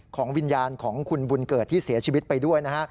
วิญญาณของคุณบุญเกิดที่เสียชีวิตไปด้วยนะฮะ